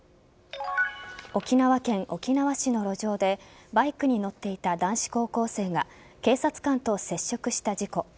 沖縄県沖縄市の路上でバイクに乗っていた男子高校生が警察官と接触した事故。